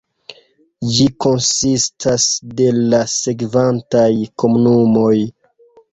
Ĝi konsistas de la sekvantaj komunumoj.